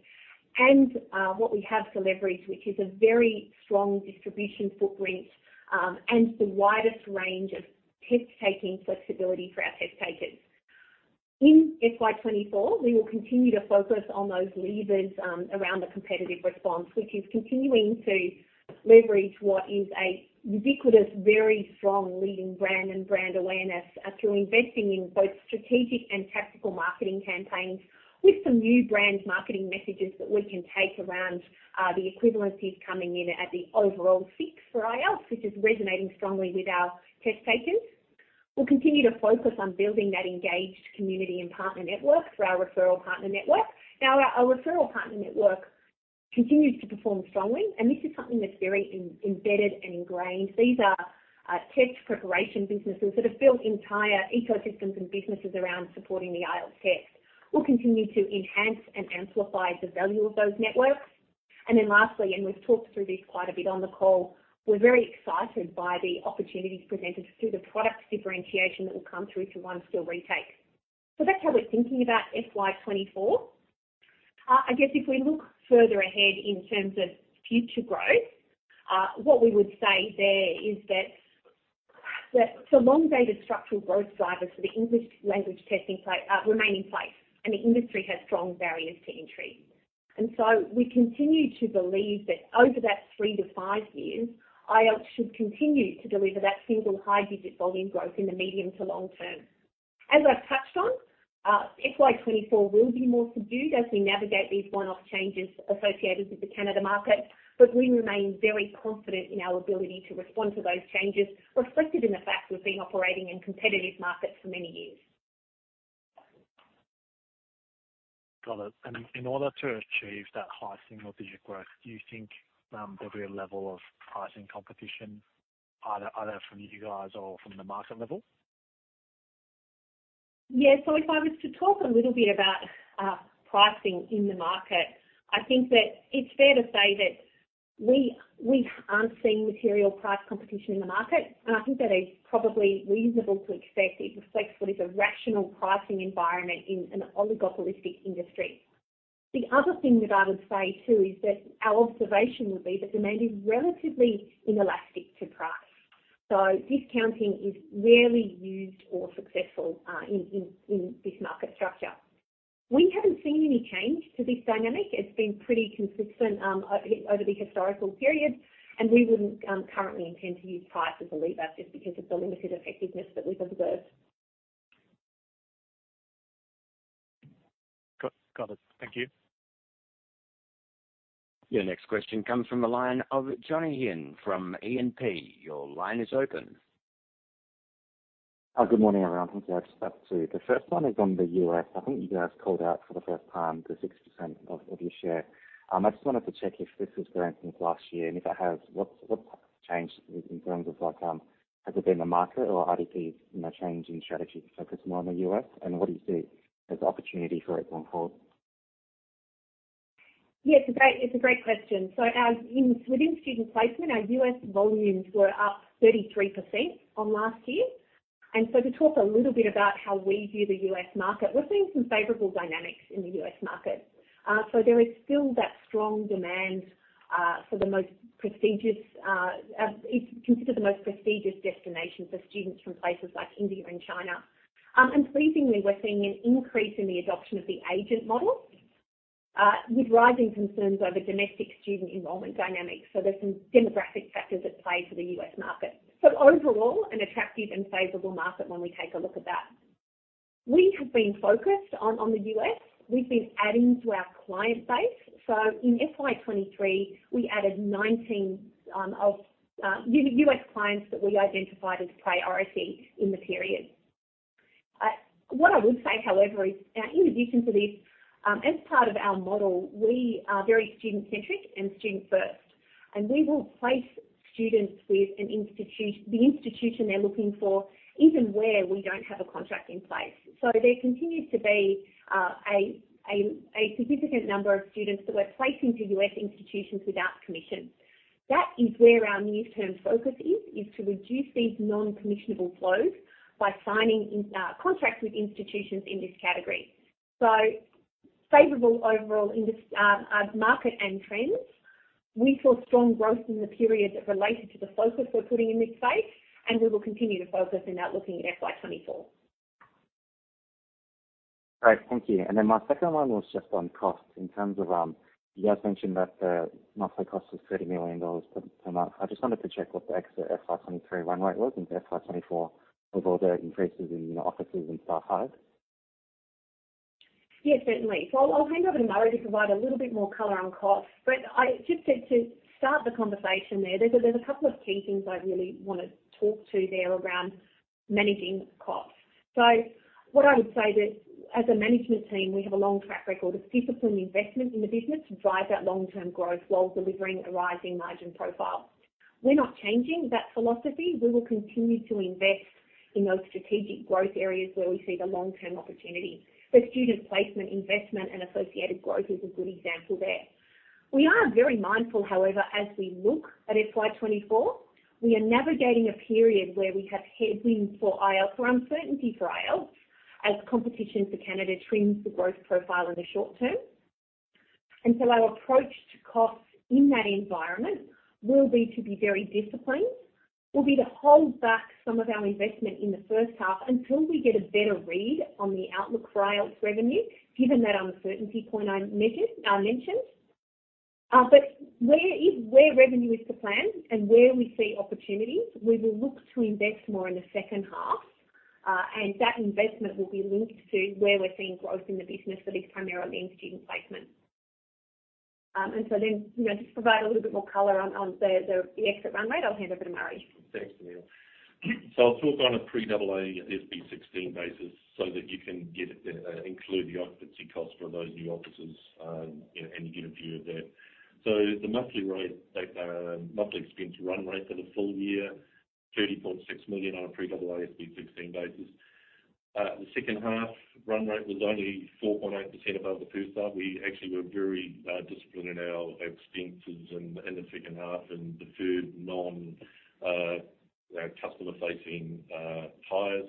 What we have to leverage, which is a very strong distribution footprint, and the widest range of test-taking flexibility for our test takers. In FY 2024, we will continue to focus on those levers around the competitive response, which is continuing to leverage what is a ubiquitous, very strong leading brand and brand awareness through investing in both strategic and tactical marketing campaigns with some new brand marketing messages that we can take around the equivalencies coming in at the overall fix for IELTS, which is resonating strongly with our test takers. We'll continue to focus on building that engaged community and partner network for our referral partner network. Now, our referral partner network continues to perform strongly, and this is something that's very embedded and ingrained. These are test preparation businesses that have built entire ecosystems and businesses around supporting the IELTS test. We'll continue to enhance and amplify the value of those networks. Then lastly, and we've talked through this quite a bit on the call, we're very excited by the opportunities presented through the product differentiation that will come through to One Skill Retake. That's how we're thinking about FY 2024. I guess if we look further ahead in terms of future growth, what we would say there is that, that the long-dated structural growth drivers for the English language testing play, remain in place, and the industry has strong barriers to entry. So we continue to believe that over that three to five years, IELTS should continue to deliver that single-high-digit volume growth in the medium to long term. As I've touched on, FY 2024 will be more subdued as we navigate these one-off changes associated with the Canada market. We remain very confident in our ability to respond to those changes, reflected in the fact we've been operating in competitive markets for many years. Got it. In order to achieve that high-single-digit growth, do you think there'll be a level of pricing competition, either from you guys or from the market level? Yeah. If I was to talk a little bit about pricing in the market, I think that it's fair to say that we, we aren't seeing material price competition in the market, and I think that is probably reasonable to expect. It reflects what is a rational pricing environment in an oligopolistic industry. The other thing that I would say, too, is that our observation would be that demand is relatively inelastic to price, so discounting is rarely used or successful in, in, in this market structure. We haven't seen any change to this dynamic. It's been pretty consistent over, over the historical period, and we wouldn't currently intend to use price as a lever just because of the limited effectiveness that we've observed. Got it. Thank you. Your next question comes from the line of Jonathan Higgins from E&P. Your line is open. Good morning, everyone. Thank you. I just have two. The first one is on the U.S. I think you guys called out for the first time, the 60% of, of your share. I just wanted to check if this is growing from last year, and if it has, what, what's changed in terms of like, has it been the market or IDP, you know, changing strategy to focus more on the U.S? What do you see as opportunity for it going forward? Yeah, it's a great, it's a great question. Our within student placement, our U.S. volumes were up 33% on last year. To talk a little bit about how we view the U.S. market, we're seeing some favorable dynamics in the U.S. market. There is still that strong demand for the most prestigious, it's considered the most prestigious destination for students from places like India and China. Pleasingly, we're seeing an increase in the adoption of the agent model with rising concerns over domestic student enrollment dynamics. There's some demographic factors at play for the U.S. market. Overall, an attractive and favorable market when we take a look at that. We have been focused on, on the U.S. We've been adding to our client base. In FY 2023, we added 19 U.S. clients that we identified as priority in the period. What I would say, however, is in addition to this, as part of our model, we are very student-centric and student first, and we will place students with the institution they're looking for, even where we don't have a contract in place. There continues to be a significant number of students that we're placing to U.S. institutions without commission. That is where our near-term focus is, is to reduce these non-commissionable flows by signing contracts with institutions in this category. Favorable overall market and trends. We saw strong growth in the period related to the focus we're putting in this space, and we will continue to focus on that looking at FY 2024. Great, thank you. Then my second one was just on costs in terms of, you guys mentioned that the monthly cost was AUD 30 million per, per month. I just wanted to check what the exit FY 2023 run rate was, and FY 2024, with all the increases in, you know, offices and staff hires. Yes, certainly. I'll hand over to Murray to provide a little bit more color on costs, but I just said to start the conversation there, there's a couple of key things I really want to talk to there around managing costs. What I would say that as a management team, we have a long track record of disciplined investment in the business to drive that long-term growth while delivering a rising margin profile. We're not changing that philosophy. We will continue to invest in those strategic growth areas where we see the long-term opportunity. Student placement, investment, and associated growth is a good example there. We are very mindful, however, as we look at FY 2024, we are navigating a period where we have headwinds for IELTS or uncertainty for IELTS as competition for Canada trims the growth profile in the short term. Our approach to costs in that environment will be to be very disciplined, will be to hold back some of our investment in the first half until we get a better read on the outlook for IELTS revenue, given that uncertainty point I measured, I mentioned. Where revenue is the plan and where we see opportunities, we will look to invest more in the second half, and that investment will be linked to where we're seeing growth in the business, but it primarily in student placement. Then, you know, just to provide a little bit more color on, on the, the, the exit runway, I'll hand over to Murray. Thanks, Tennealle. I'll talk on a pre-AASB 16 basis so that you can get, include the occupancy costs for those new offices, and you get a view of that. The monthly rate, monthly expense run rate for the full year, 30.6 million on a pre-AASB 16 basis. The second half run rate was only 4.8% above the first half. We actually were very disciplined in our expenses in the second half and deferred non, customer-facing, hires.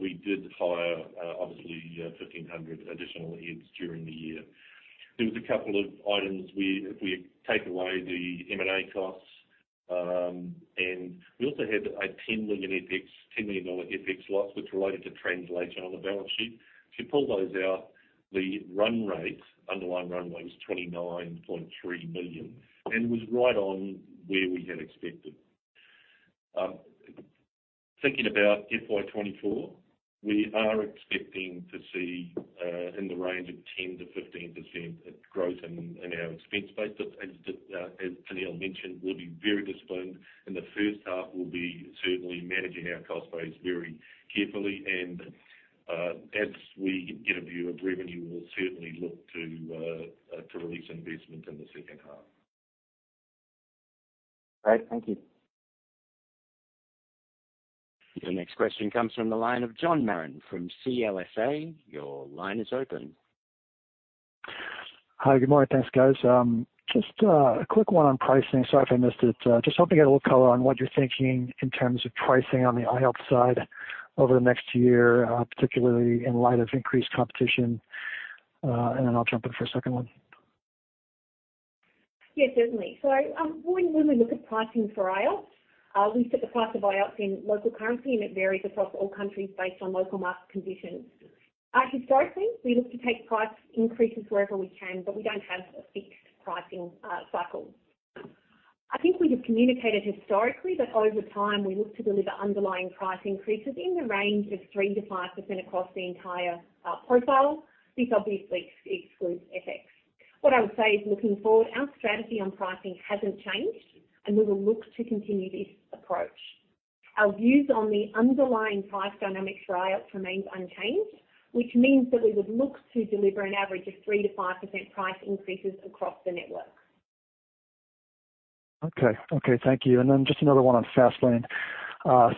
We did hire, obviously, 1,500 additional heads during the year. There was a couple of items. If we take away the M&A costs. We also had a 10 million FX, 10 million dollar FX loss, which related to translation on the balance sheet. If you pull those out, the run rate, underlying run rate was 29.3 million. It was right on where we had expected. Thinking about FY 2024, we are expecting to see in the range of 10%-15% growth in our expense base. As Tennealle mentioned, we'll be very disciplined in the first half. We'll be certainly managing our cost base very carefully. As we get a view of revenue, we'll certainly look to release investment in the second half. Great. Thank you. The next question comes from the line of John Merron from CLSA. Your line is open. Hi, good morning. Thanks, guys. Just a quick one on pricing. Sorry if I missed it. Just hoping to get a little color on what you're thinking in terms of pricing on the IELTS side over the next year, particularly in light of increased competition. Then I'll jump in for a second one. Yes, certainly. When, when we look at pricing for IELTS, we set the price of IELTS in local currency, and it varies across all countries based on local market conditions. Historically, we look to take price increases wherever we can, but we don't have a fixed pricing cycle. I think we have communicated historically that over time, we look to deliver underlying price increases in the range of 3%-5% across the entire profile. This obviously excludes FX. What I would say is, looking forward, our strategy on pricing hasn't changed, and we will look to continue this approach. Our views on the underlying price dynamics for IELTS remains unchanged, which means that we would look to deliver an average of 3%-5% price increases across the network. Okay. Okay, thank you. Then just another one on FastLane.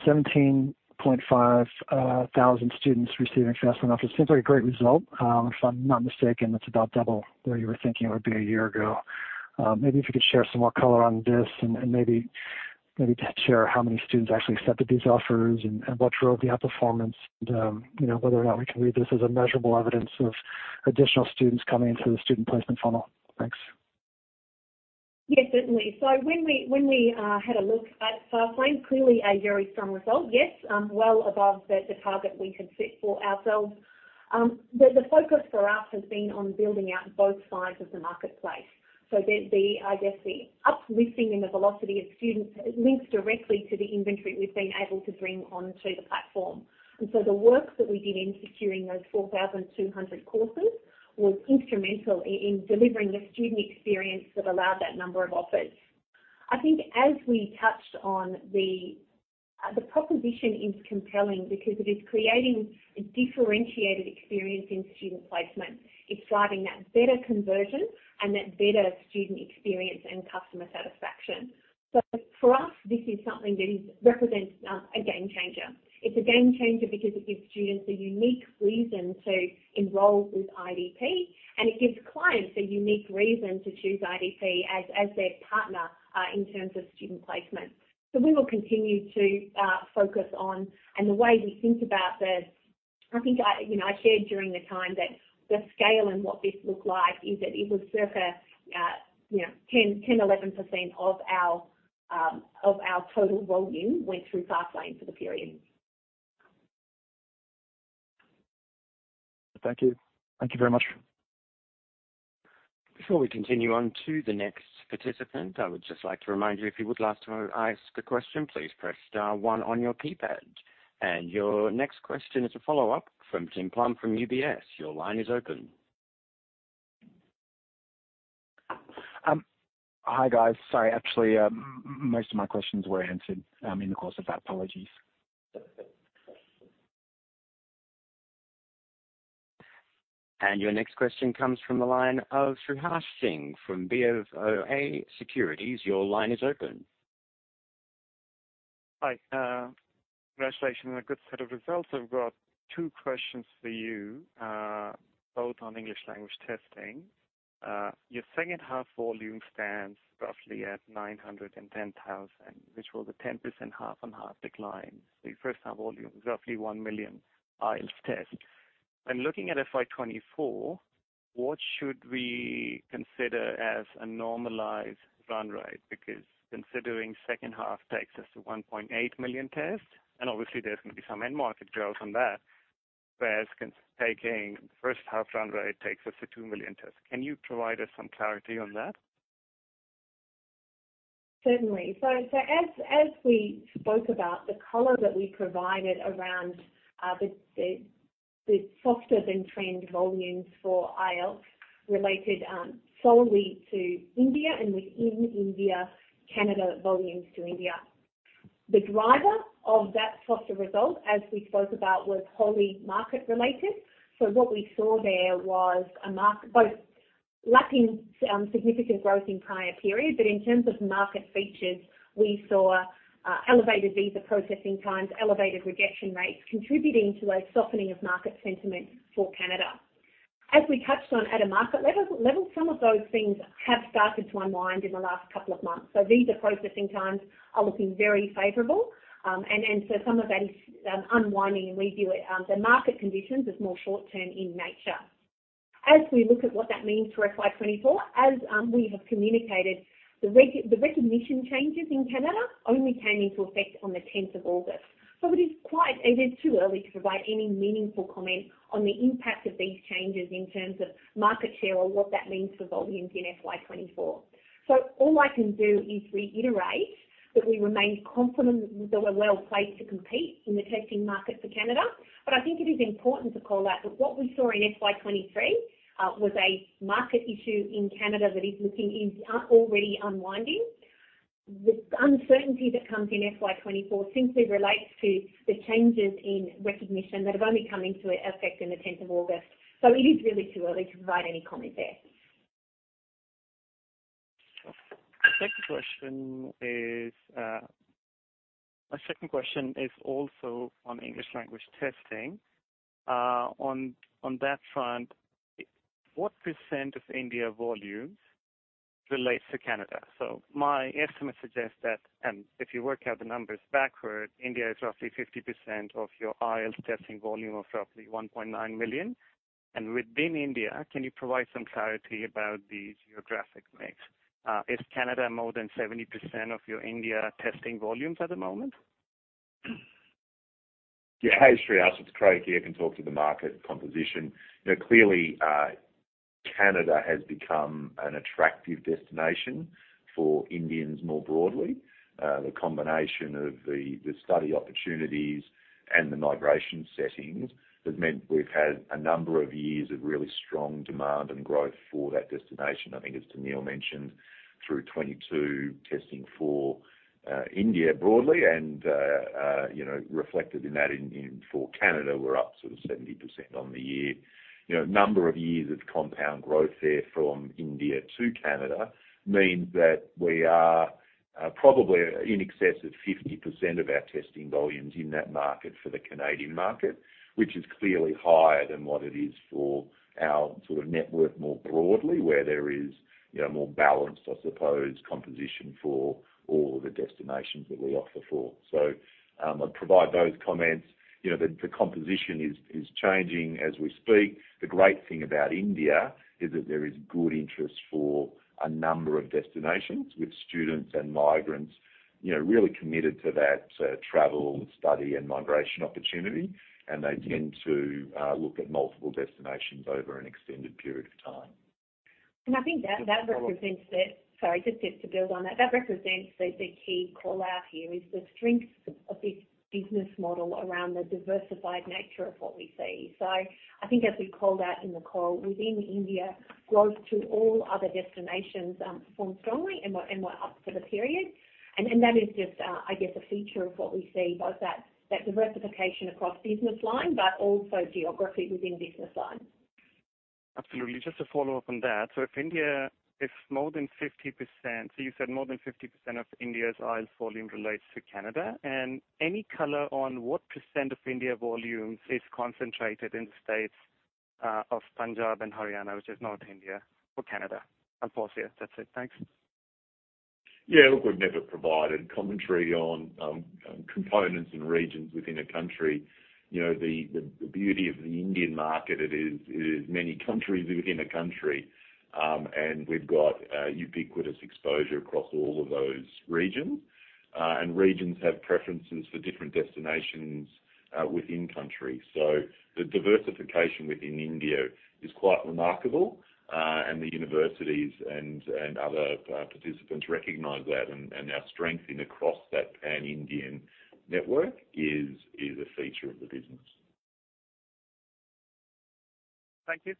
17,500 students receiving FastLane offers. Seems like a great result. If I'm not mistaken, it's about double where you were thinking it would be a year ago. Maybe if you could share some more color on this and, and maybe, maybe share how many students actually accepted these offers and, and what drove the outperformance. You know, whether or not we can read this as a measurable evidence of additional students coming into the student placement funnel. Thanks. Yes, certainly. When we, when we had a look at FastLane, clearly a very strong result. Yes, well above the target we had set for ourselves. The focus for us has been on building out both sides of the marketplace. The, I guess, the uplifting in the velocity of students links directly to the inventory we've been able to bring onto the platform. The work that we did in securing those 4,200 courses was instrumental in delivering the student experience that allowed that number of offers. I think as we touched on the proposition is compelling because it is creating a differentiated experience in student placement. It's driving that better conversion and that better student experience and customer satisfaction. For us, this is something that is, represents a game changer. It's a game changer because it gives students a unique reason to enroll with IDP, and it gives clients a unique reason to choose IDP as, as their partner, in terms of student placement. We will continue to focus on and the way we think about the- I think I, you know, I shared during the time that the scale and what this looked like is that it was circa, you know, 10%-11% of our total volume went through FastLane for the period. Thank you. Thank you very much. Before we continue on to the next participant, I would just like to remind you, if you would like to ask a question, please press star one on your keypad. Your next question is a follow-up from Tim Plumbe from UBS. Your line is open. Hi, guys. Sorry, actually, most of my questions were answered in the course of that. Apologies. Your next question comes from the line of Siddharth Singh from BofA Securities. Your line is open. Hi, congratulations on a good set of results. I've got two questions for you, both on English language testing. Your second half volume stands roughly at 910,000, which was a 10% half on half decline. The first half volume, roughly 1 million IELTS tests. Looking at FY 2024, what should we consider as a normalized run rate? Because considering second half takes us to 1.8 million tests, and obviously there's going to be some end market growth on that, whereas taking first half run rate takes us to 2 million tests. Can you provide us some clarity on that? Certainly. As we spoke about the color that we provided around the softer than trend volumes for IELTS related solely to India and within India, Canada, volumes to India. The driver of that softer result, as we spoke about, was wholly market-related. What we saw there was both lacking significant growth in prior periods, but in terms of market features, we saw elevated visa processing times, elevated rejection rates, contributing to a softening of market sentiment for Canada. As we touched on at a market level, some of those things have started to unwind in the last couple of months. Visa processing times are looking very favorable. So some of that is unwinding, and we view it the market conditions as more short term in nature. As we look at what that means for FY 2024, as we have communicated, the recognition changes in Canada only came into effect on the 10th of August. It is quite, it is too early to provide any meaningful comment on the impact of these changes in terms of market share or what that means for volumes in FY 2024. All I can do is reiterate that we remain confident that we're well placed to compete in the testing market for Canada. I think it is important to call out that what we saw in FY 2023 was a market issue in Canada that is looking, is already unwinding. The uncertainty that comes in FY 2024 simply relates to the changes in recognition that have only come into effect in the 10th of August. It is really too early to provide any comment there. The second question is, my second question is also on English language testing. On that front, what percent of India volumes relates to Canada? My estimate suggests that, and if you work out the numbers backward, India is roughly 50% of your IELTS testing volume of roughly 1.9 million. Within India, can you provide some clarity about the geographic mix? Is Canada more than 70% of your India testing volumes at the moment? Yeah. Hey, Siddharth, it's Craig here. I can talk to the market composition. You know, clearly, Canada has become an attractive destination for Indians more broadly. The combination of the, the study opportunities and the migration settings has meant we've had a number of years of really strong demand and growth for that destination. I think as Tennealle mentioned, through 2022, testing for India broadly and, you know, reflected in that in for Canada, we're up sort of 70% on the year. You know, number of years of compound growth there from India to Canada means that we are, probably in excess of 50% of our testing volumes in that market for the Canadian market, which is clearly higher than what it is for our sort of network more broadly, where there is, you know, more balanced, I suppose, composition for all of the destinations that we offer for. I'd provide those comments. You know, the, the composition is, is changing as we speak. The great thing about India is that there is good interest for a number of destinations, with students and migrants, you know, really committed to that, travel, study and migration opportunity, and they tend to, look at multiple destinations over an extended period of time. And I think that- Follow up. That represents the. Sorry, just to, to build on that, that represents the, the key call-out here, is the strength of this business model around the diversified nature of what we see. I think as we called out in the call, within India, growth to all other destinations, performed strongly and were, and were up for the period. That is just, I guess, a feature of what we see, both that, that diversification across business line, but also geography within business line. Absolutely. Just a follow-up on that. If India, if more than 50%, you said more than 50% of India's IELTS volume relates to Canada, and any color on what percent of India volumes is concentrated in the states of Punjab and Haryana, which is North India, for Canada, of course? Yeah. That's it. Thanks. Yeah, look, we've never provided commentary on components and regions within a country. You know, the, the, the beauty of the Indian market, it is, it is many countries within a country, and we've got ubiquitous exposure across all of those regions. Regions have preferences for different destinations within countries. The diversification within India is quite remarkable, and the universities and, and other participants recognize that, and, and our strengthening across that pan-Indian network is, is a feature of the business. Thank you.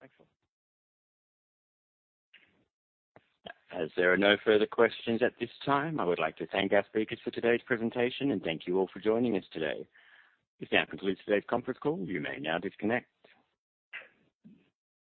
Thanks a lot. As there are no further questions at this time, I would like to thank our speakers for today's presentation and thank you all for joining us today. This now concludes today's conference call. You may now disconnect.